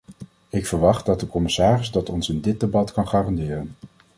Ik verwacht dat de commissaris dat ons in dit debat kan garanderen.